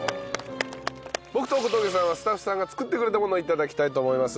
僕と小峠さんはスタッフさんが作ってくれたものを頂きたいと思います。